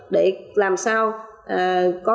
để làm sao